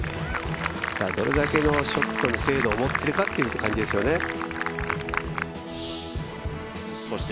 どれだけのショットの精度を持っているかという感じですよね。